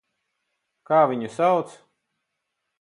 Kā viņu sauc?